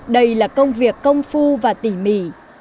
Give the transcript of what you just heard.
đây là công việc công phu và tỉ mỉ